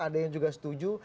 ada yang juga setuju